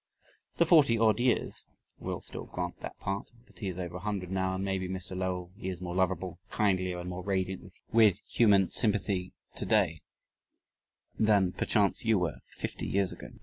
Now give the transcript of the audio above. "The forty odd years," we'll still grant that part, but he is over a hundred now, and maybe, Mr. Lowell, he is more lovable, kindlier, and more radiant with human sympathy today, than, perchance, you were fifty years ago.